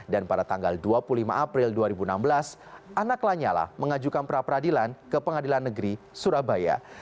dan pada tanggal dua puluh lima april dua ribu enam belas anak lanyala mengajukan pra peradilan ke pengadilan negeri surabaya